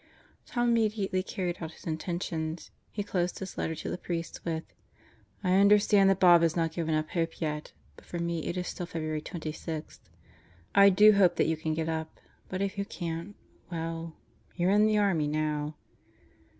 Tom immediately carried out his intention. He closed his letter to the priest with: "I understand that Bob has not given up hope yet, but for me it is still February 26. ... I do hope that you can get ,up, but if you can't, well ... you're in the army now!"